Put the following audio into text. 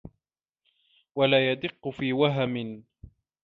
وَلَا يَدِقُّ فِي وَهْمٍ